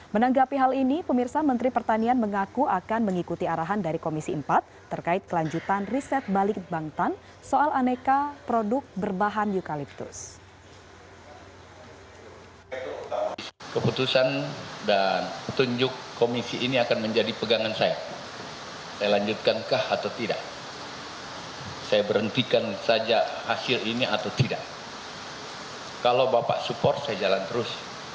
menanggapi hal ini pemirsa menteri pertanian mengaku akan mengikuti arahan dari komisi empat terkait kelanjutan riset balit bangtan soal aneka produk berbahan eucalyptus